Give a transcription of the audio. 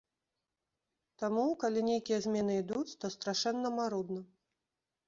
Таму, калі нейкія змены ідуць, то страшэнна марудна.